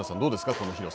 この広さ。